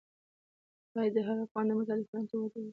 باید هر افغان د مطالعې فرهنګ ته وده ورکړي.